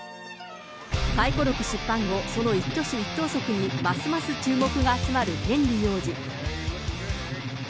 回顧録出版後、その一挙手一投足にますます注目が集まるヘンリー王子。